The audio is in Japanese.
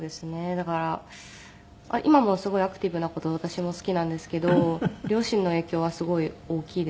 だから今もすごいアクティブな事私も好きなんですけど両親の影響はすごい大きいですね。